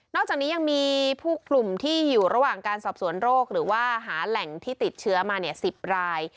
อกจากนี้ยังมีผู้กลุ่มที่อยู่ระหว่างการสอบสวนโรคหรือว่าหาแหล่งที่ติดเชื้อมา๑๐ราย